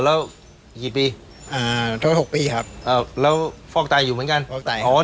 แล้วกี่ปีอ่าทั้งหกปีครับอ่าแล้วฟอกไตอยู่เหมือนกันฟอกไต